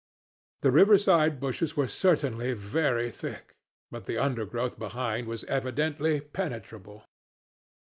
The river side bushes were certainly very thick; but the undergrowth behind was evidently penetrable.